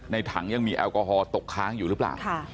ถังยังมีแอลกอฮอลตกค้างอยู่หรือเปล่า